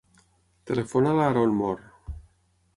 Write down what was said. Telefona a l'Aaron Mor.